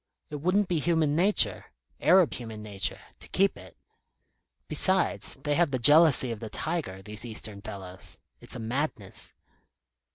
It wouldn't be human nature Arab human nature to keep it. Besides, they have the jealousy of the tiger, these Eastern fellows. It's a madness."